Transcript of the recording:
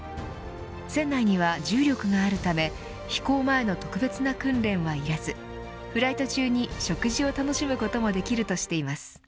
船内には重力があるため飛行前の特別な訓練はいらずフライト中に食事を楽しむこともできるとしています。